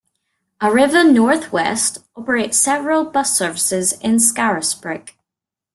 Arriva North West operate several bus services in Scarisbrick.